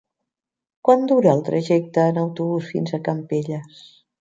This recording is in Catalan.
Quant dura el trajecte en autobús fins a Campelles?